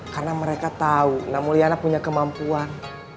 karena mereka tahu namulyana punya kemampuan